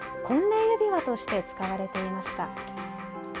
婚礼指輪として使われていました。